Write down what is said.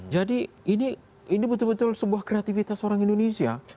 jadi ini betul betul sebuah kreativitas orang indonesia